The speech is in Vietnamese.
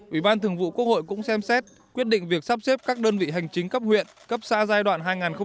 ubthq cũng xem xét quyết định việc sắp xếp các đơn vị hành chính cấp huyện cấp xa giai đoạn hai nghìn một mươi chín hai nghìn hai mươi một